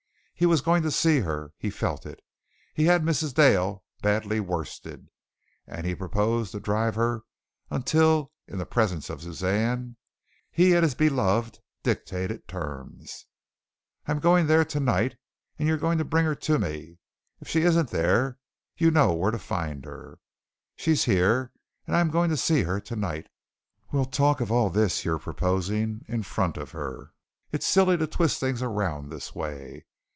He was going to see her he felt it. He had Mrs. Dale badly worsted, and he proposed to drive her until, in the presence of Suzanne, he and his beloved dictated terms. "I'm going there tonight and you are going to bring her to me. If she isn't there, you know where to find her. She's here, and I'm going to see her tonight. We'll talk of all this you're proposing in front of her. It's silly to twist things around this way.